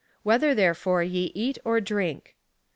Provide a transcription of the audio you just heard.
Whether, therefore, ye eat, or drink.